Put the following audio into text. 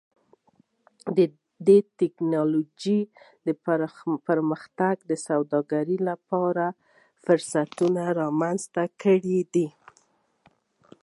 د ټکنالوجۍ پرمختګ د سوداګرۍ لپاره فرصتونه رامنځته کړي دي.